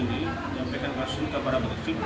menyampaikan kasus ini kepada para petugas